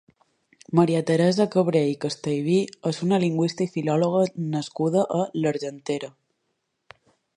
Maria Teresa Cabré i Castellví és una lingüista i filòloga nascuda a l'Argentera.